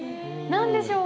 何でしょう？